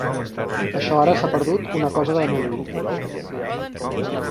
Això ara s’ha perdut una cosa de no dir.